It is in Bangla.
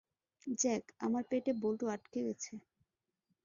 জ্যাক, আমার পেটে বল্টু আটকে গেছে।